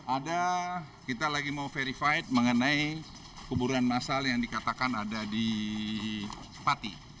ada kita lagi mau verified mengenai kuburan masal yang dikatakan ada di pati